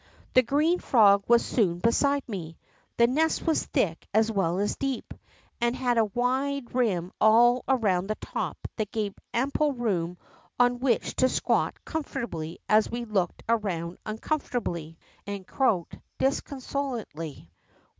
The green frog was soon beside me. The nest was thick as well as deep, and had a wide rim all around the top that gave ample room on which to squat com fortably as we looked around uncomfortably, and croaked disconsolately.